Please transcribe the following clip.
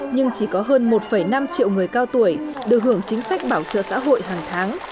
nhưng chỉ có hơn một năm triệu người cao tuổi được hưởng chính sách bảo trợ xã hội hàng tháng